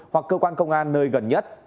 hoặc cơ quan công an nơi gần nhất